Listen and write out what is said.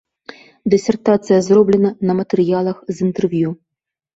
Дысертацыя зроблена на матэрыялах з інтэрв'ю.